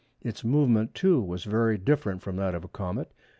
Its movement too was very different from that of a comet.